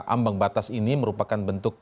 ambang batas ini merupakan bentuk